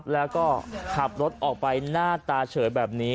แล้วก็ขับรถออกไปหน้าตาเฉยแบบนี้